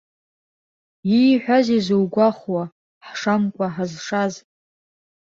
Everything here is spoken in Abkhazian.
Ииҳәазеи зугәахәуа, ҳшамкәа ҳазшаз?